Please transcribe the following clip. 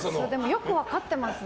よく分かってますね。